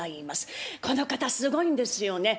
この方すごいんですよね。